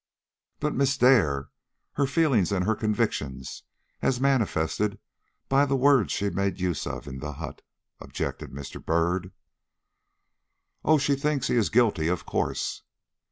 "But Miss Dare her feelings and her convictions, as manifested by the words she made use of in the hut?" objected Mr. Byrd. "Oh! she thinks he is guilty, of course!"